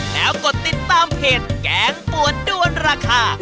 แล้วกดติดตามเพจแกงปวดด้วนราคา